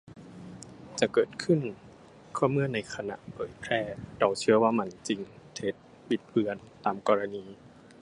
จะเกิดขึ้นก็เมื่อในขณะเผยแพร่เราเชื่อว่ามัน จริง เท็จ บิดเบือน ตามกรณี